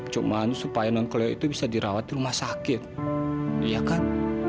cuman supaya non kelio itu bisa dirawat di rumah sakit iya kan